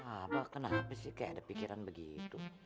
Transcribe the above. apa kenapa sih kayak ada pikiran begitu